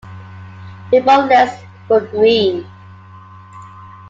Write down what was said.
Epaulettes were green.